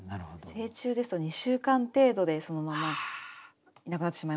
成虫ですと２週間程度でそのまま亡くなってしまいますもんね。